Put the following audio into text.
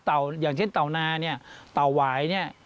อย่างเช่นเต่านาเนี่ยเต่าหวายเนี่ย